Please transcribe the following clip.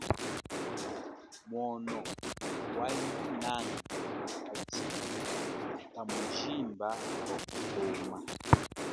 Mwono wakulinanga mukachi kamujimba wa kutoma.